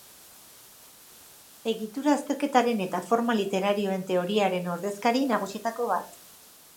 Egitura-azterketaren eta forma literarioen teoriaren ordezkari nagusietako bat.